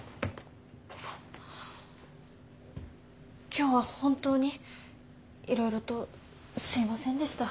今日は本当にいろいろとすいませんでした。